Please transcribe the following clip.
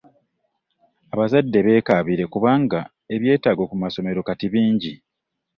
Abazadde beekabire kubanga ebyetaago ku masomero kati bingi.